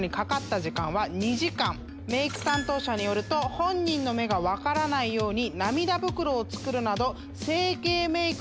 メーク担当者によると本人の目が分からないように。